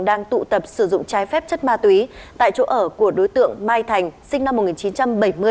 đang tụ tập sử dụng trái phép chất ma túy tại chỗ ở của đối tượng mai thành sinh năm một nghìn chín trăm bảy mươi